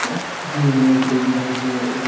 তিনি রশিদ আহমদ গাঙ্গোহীর শিষ্য ও উত্তরসূরি ছিলেন।